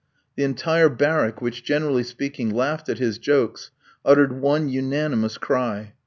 The entire barrack, which, generally speaking, laughed at his jokes, uttered one unanimous cry.